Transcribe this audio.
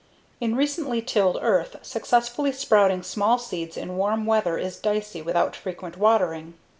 In recently tilled earth, successfully sprouting small seeds in warm weather is dicey without frequent watering.